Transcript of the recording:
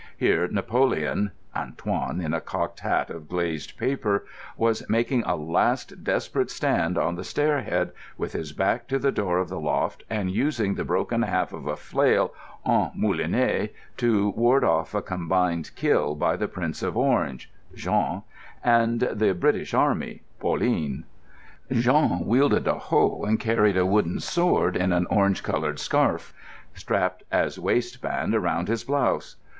Here Napoleon (Antoine, in a cocked hat of glazed paper) was making a last desperate stand on the stair head, with his back to the door of the loft and using the broken half of a flail en moulinet to ward off a combined "kill" by the Prince of Orange (Jean) and the British Army (Pauline). Jean wielded a hoe and carried a wooden sword in an orange coloured scarf strapped as waistband around his blouse.